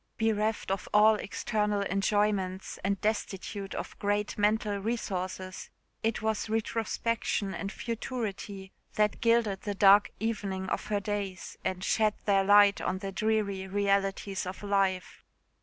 Bereft of all external enjoyments, and destitute of great mental resources, it was retrospection and futurity that gilded the dark evening of her days, and shed their light on the dreary realities of life.